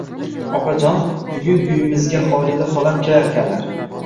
Opajon, bugun uyimizga Xolida xolam kelarkanlar